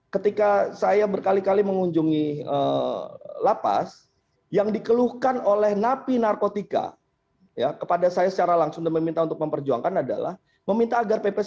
ketika saya berkali kali mengunjungi lapas yang dikeluhkan oleh napi narkotika kepada saya secara langsung dan meminta untuk memperjuangkan adalah meminta agar pp sembilan puluh